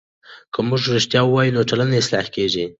که موږ رښتیا وایو نو ټولنه اصلاح کېږي.